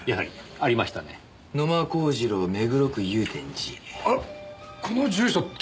あっこの住所って。